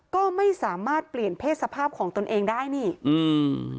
ก็ไม่สามารถเปลี่ยนเพศสภาพของตนเองได้นี่อืม